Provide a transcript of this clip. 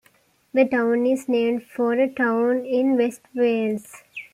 The town is named for a town in west Wales.